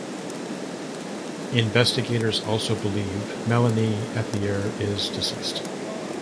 Investigators also believe Melanie Ethier is deceased.